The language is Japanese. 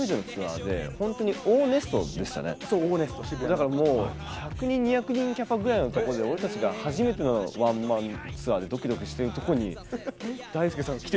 だからもう１００人２００人キャパぐらいのとこで俺たちが初めてのワンマンツアーでドキドキしてるとこにダイスケさん来て。